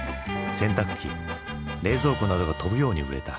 冷蔵庫などが飛ぶように売れた。